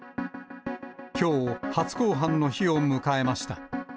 きょう、初公判の日を迎えました。